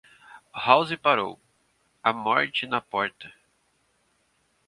House parou, a morte na porta.